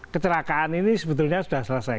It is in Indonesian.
kecelakaan ini sebetulnya sudah selesai